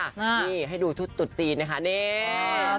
นี่ให้ดูชุดตุดจีนนะคะนี่